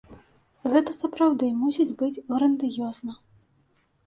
Гэта сапраўды мусіць быць грандыёзна!